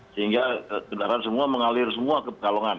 sehingga kendaraan semua mengalir semua ke pekalongan